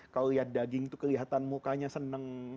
kalau lihat daging itu kelihatan mukanya seneng